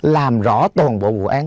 làm rõ toàn bộ vụ án